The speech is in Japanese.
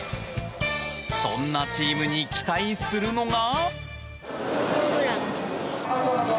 そんなチームに期待するのが。